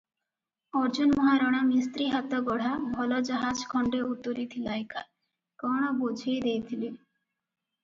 ଅର୍ଜୁନ ମହାରଣା ମିସ୍ତ୍ରୀ ହାତଗଢ଼ା ଭଲ ଜାହାଜ ଖଣ୍ଡେ ଉତୁରିଥିଲା ଏକା- କଣ ବୋଝେଇ ଦେଇଥିଲେ?